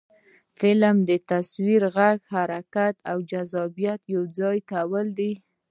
فلم د تصویر، غږ، حرکت او جذابیت یو ځای کول دي